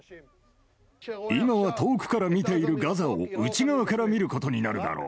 今は遠くから見ているガザを内側から見ることになるだろう。